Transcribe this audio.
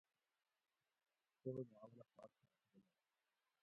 سوئے ما اولہ خاص خاص جولاگ